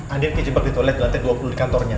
andi kejebak di toilet di lantai dua puluh di kantornya